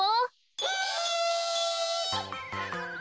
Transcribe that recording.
え。